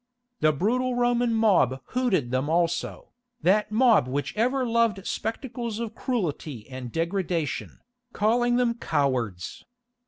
The brutal Roman mob hooted them also, that mob which ever loved spectacles of cruelty and degradation, calling them cowards.